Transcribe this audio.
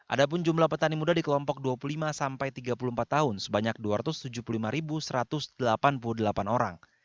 ada pun jumlah petani muda di kelompok dua puluh lima sampai tiga puluh empat tahun sebanyak dua ratus tujuh puluh lima satu ratus delapan puluh delapan orang